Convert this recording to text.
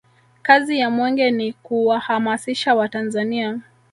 kazi ya mwenge ni kuwahamasisha watanzania